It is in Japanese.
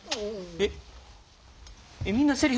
えっ！？